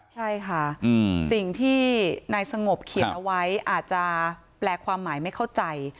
ใช่ค่ะสิ่งที่นายสงบเขียนเอาไว้อาจจะแปลความหมายไม่เข้าใจ